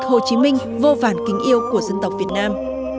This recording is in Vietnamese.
hồ chí minh vô vàn kính yêu của dân tộc việt nam